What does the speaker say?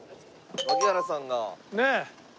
槙原さんが。ねえ。